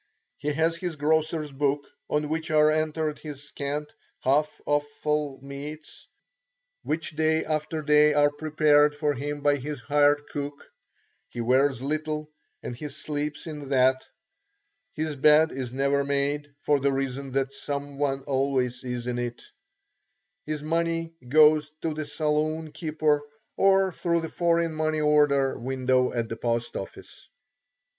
He has his grocer's book on which are entered his scant, half offal meats, which day after day are prepared for him by his hired cook; he wears little and he sleeps in that; his bed is never made, for the reason that some one always is in it; his money goes to the saloon keeper or through the foreign money order window at the post office.